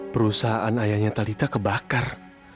perusahaan ayahnya talitha kebakar